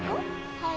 はい。